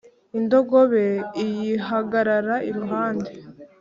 indogobe iyihagarara iruhande